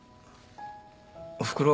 おふくろ